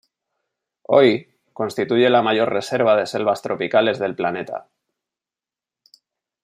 Hoy, constituye la mayor reserva de selvas tropicales del planeta.